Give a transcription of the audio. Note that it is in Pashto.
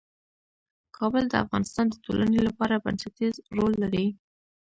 کابل د افغانستان د ټولنې لپاره بنسټيز رول لري.